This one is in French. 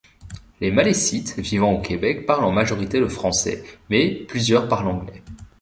Les Malécites vivants au Québec parlent en majorité le français, mais plusieurs parlent anglais.